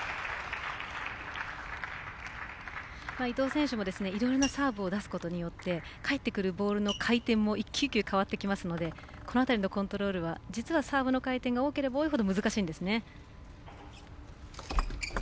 伊藤選手もいろいろなサーブを出すことによって返ってくるボールの回転も一球一球変わってきますのでこの辺りのコントロールは実はサーブの回転が多ければ多いほど難しいんですね。